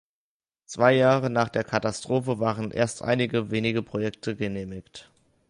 Zwei Jahre nach der Katastrophe waren erst einige wenige Projekte genehmigt.